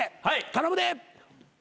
頼むで。